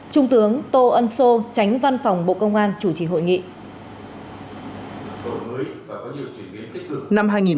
trung tướng tô ân sô tránh văn phòng bộ công an chủ trì hội nghị